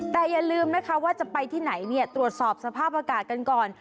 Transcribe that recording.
แต่อย่าลืมนะคะว่าจะไปที่ไหนเนี่ยตรวจสอบสภาพอากาศกันก่อน